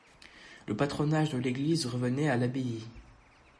Le patronage de l'église revenait à l'abbaye.